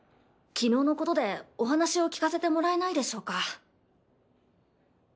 昨日のことでお話をきかせてもらえないでしょうか？